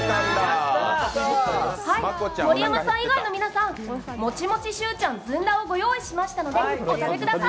盛山さん以外の皆さん、もちもちシューちゃんずんだをご用意しましたのでお食べください。